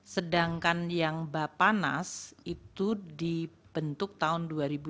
sedangkan yang bapanas itu dibentuk tahun dua ribu dua puluh